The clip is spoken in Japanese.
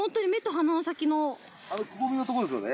あのくぼみのところですよね？